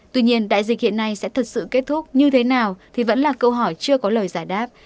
tuy nhiên đại dịch hiện nay sẽ thật sự kết thúc như thế nào thì vẫn là câu hỏi chưa có lời giải đáp